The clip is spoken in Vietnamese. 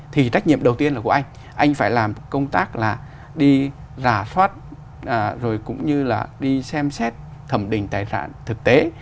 thì trách nhiệm đầu tiên là của anh anh phải làm công tác là đi rà soát rồi cũng như là đi xem xét thẩm định tài sản thực tế